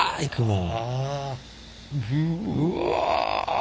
うわ！